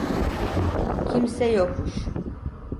Kimse yokmuş.